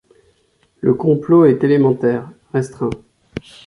Le complot est élémentaire, restreint.